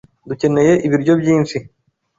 Dukeneye ibiryo byinshi.